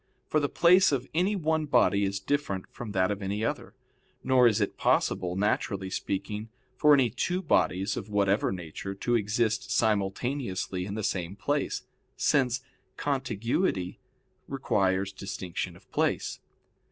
For the place of any one body is different from that of any other, nor is it possible, naturally speaking, for any two bodies of whatever nature, to exist simultaneously in the same place; since contiguity requires distinction of place.